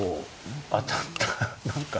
当たった何か。